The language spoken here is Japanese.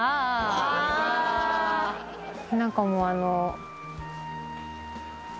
なんかもうあの。